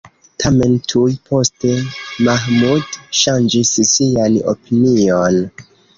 Tamen, tuj poste Mahmud ŝanĝis sian opinion.